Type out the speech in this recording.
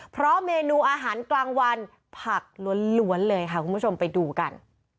เพราะเมนูอาหารกลางวันผักล้วนเลยค่ะคุณผู้ชมไปดูกัน